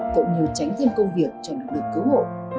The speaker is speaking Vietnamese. cộng như tránh thêm công việc cho năng lực cứu hộ